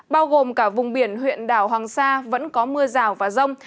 bao gồm cả vùng biển huyện đảo hoàng sa vẫn có mưa rào và rông